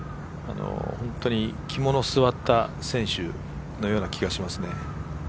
本当に肝の据わった選手のような気がしますね。